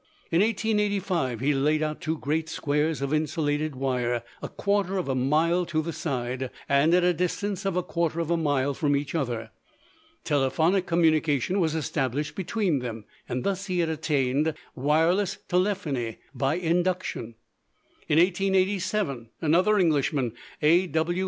In 1885 he laid out two great squares of insulated wire, a quarter of a mile to the side, and at a distance of a quarter of a mile from each other. Telephonic communication was established between them, and thus he had attained wireless telephony by induction. In 1887, another Englishman, A.W.